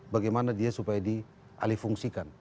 bagaimana dia supaya dialih fungsikan